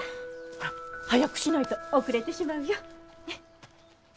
ほら早くしないと遅れてしまうよ。